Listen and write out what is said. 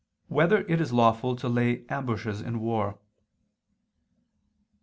3] Whether It Is Lawful to Lay Ambushes in War?